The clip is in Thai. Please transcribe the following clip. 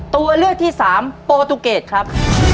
ตัวเลือกที่สามโปรตูเกตครับ